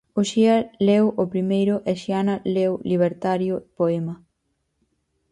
Uxía leu o primeiro e Xiana leu Libertario Poema.